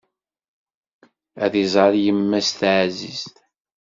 Ad iẓer yemma-s taɛzizt.